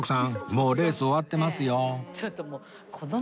もうレース終わってますよ